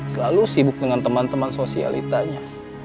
selalu sibuk dengan teman teman sosialitanya